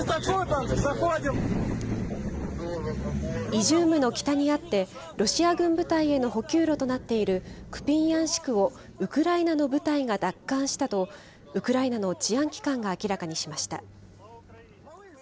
イジュームの北にあって、ロシア軍部隊への補給路となっているクピヤンシクをウクライナの部隊が奪還したと、ウクライナの治安機関が明らかにしました。